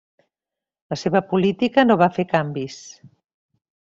La seva política no va fer canvis.